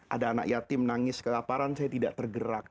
ada anak yatim nangis kelaparan saya tidak tergerak